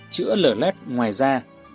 chữa lở lét ngoài da